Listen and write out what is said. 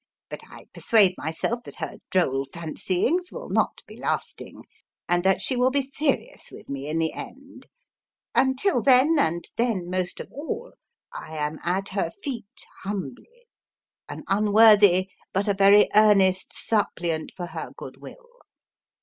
But I persuade myself that her droll fancyings will not be lasting, and that she will be serious with me in the end. Until then and then most of all I am at her feet humbly: an unworthy, but a very earnest, suppliant for her good will.